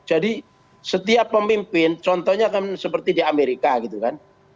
jadi setiap pemimpin contohnya kan seperti di amerika gitu kan